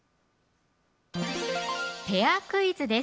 ペアクイズです